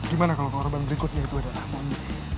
gimana kalo korban berikutnya itu adalah amon